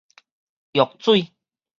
藥水